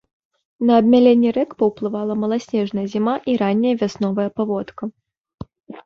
На абмяленне рэк паўплывала маласнежная зіма і ранняя вясновая паводка.